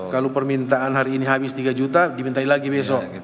kalau permintaan hari ini habis tiga juta dimintai lagi besok